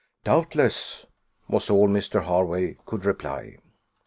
"Doubtless!" was all Mr. Hervey could reply.